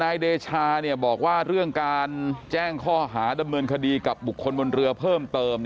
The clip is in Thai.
นายเดชาบอกว่าเรื่องการแจ้งข้อหาดำเนินคดีกับบุคคลบนเรือเพิ่มเติม